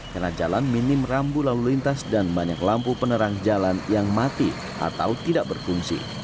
karena jalan minim rambu lalu lintas dan banyak lampu penerang jalan yang mati atau tidak berfungsi